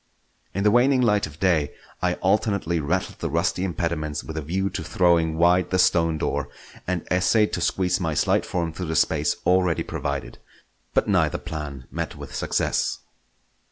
In the waning light of day I alternately rattled the rusty impediments with a view to throwing wide the stone door, and essayed to squeeze my slight form through the space already provided; but neither plan met with success.